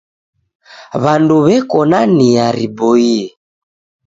W'andu w'eko na nia riboie.